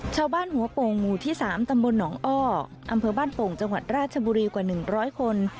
ชาวบ้านหัวโป่งหมู่ที่๓ตำบลหนองอ้ออำเภอบ้านโป่งจังหวัดราชบุรีกว่า๑๐๐คน